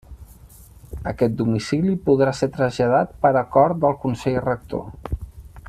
Aquest domicili podrà ser traslladat per acord del Consell Rector.